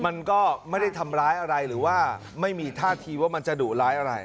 มันก็ไม่ได้ทำร้ายอะไรหรือว่าไม่มีท่าทีว่ามันจะดุร้ายอะไร